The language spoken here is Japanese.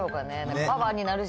パワーになるし。